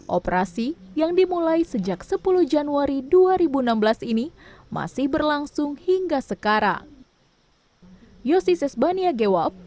operasi yang dimulai sejak sepuluh januari dua ribu enam belas ini masih berlangsung hingga sekarang